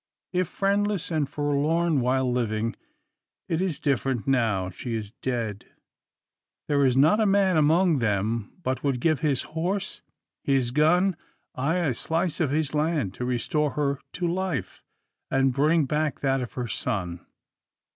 If friendless and forlorn while living, it is different now she is dead. There is not a man among them but would give his horse, his gun, ay, a slice of his land, to restore her to life, or bring back that of her son.